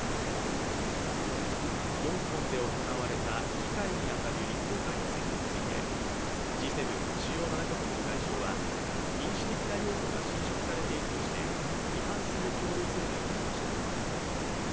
香港で行われた議会に当たる立法会の選挙についてＧ７＝主要７か国の外相は民主的な要素が侵食されているとして批判する共同声明を出しました。